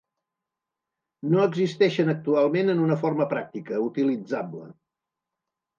No existeixen actualment en una forma pràctica, utilitzable.